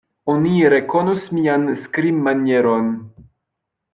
Oni rekonos mian skribmanieron.